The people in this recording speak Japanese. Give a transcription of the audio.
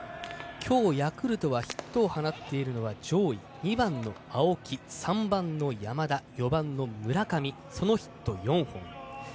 きょうヤクルト、ヒットを放っているのは上位２番の青木、３番の山田４番の村上ヒット４本です。